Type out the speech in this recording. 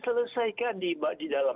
selesaikan di dalam